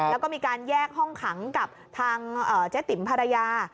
แล้วก็มีการแยกห้องขังกับทางเจ๊ติ๋มภรรยา